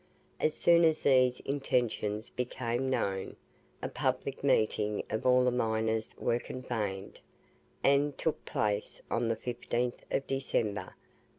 As soon as these intentions became known, a public meeting of all the miners was convened, and took place on the 15th of December, 1851.